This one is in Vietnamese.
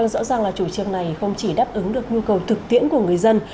rõ ràng là chủ trương này không chỉ đáp ứng được nhu cầu thực tiễn của người dân